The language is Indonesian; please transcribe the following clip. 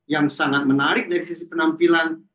yang sangat menarik dari sisi penampilan